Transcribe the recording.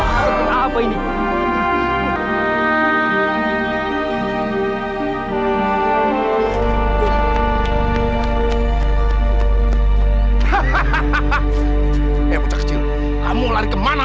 hei bocah kecil kamu lari ke mana